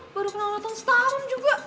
baru pernah nonton setahun juga